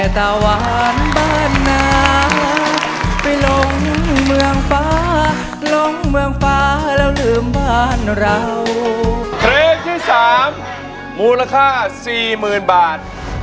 เพลงที่๓มูลค่า๔๐๐๐บาท